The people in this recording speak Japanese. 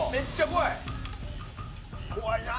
怖いな。